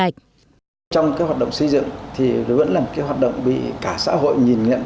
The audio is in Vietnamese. trong cái hoạt động xây dựng thì vẫn là một cái hoạt động bị cả xã hội nhìn nhận